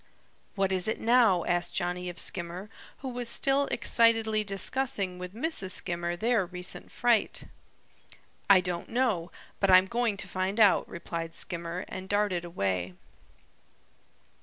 "What is it now?" asked Johnny of Skimmer, who was still excitedly discussing with Mrs. Skimmer their recent fright. "I don't know, but I'm going to find out," replied Skimmer and darted away.